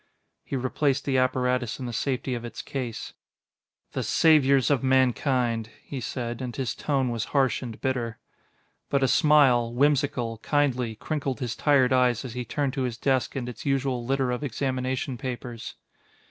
He replaced the apparatus in the safety of its case. "The saviors of mankind!" he said, and his tone was harsh and bitter. But a smile, whimsical, kindly, crinkled his tired eyes as he turned to his desk and its usual litter of examination papers.